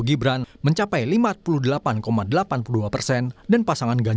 jadi semuanya yang dihitung kpu itu berhasil jadi perhubungan suara